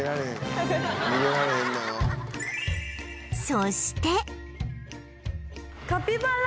そして